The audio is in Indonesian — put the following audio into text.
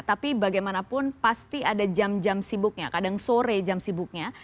tapi bagaimanapun pasti ada jam jam sibuknya kadang sore jam sibuknya